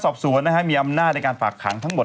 สอบสวนนะฮะมีอำนาจในการฝากขังทั้งหมด